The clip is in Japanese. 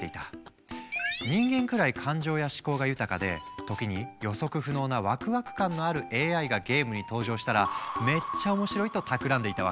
人間くらい感情や思考が豊かで時に予測不能なワクワク感のあるＡＩがゲームに登場したらめっちゃ面白いとたくらんでいたわけ。